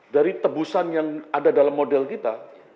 dari tebusan yang ada dalam model kita